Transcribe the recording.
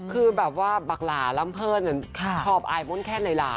คือแบบว่าบักหลาลำเพลินชอบอายมนแค่หลาย